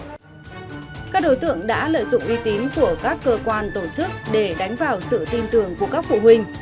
các đối tượng đã lợi dụng uy tín của các cơ quan tổ chức để đánh vào sự tin tưởng của các phụ huynh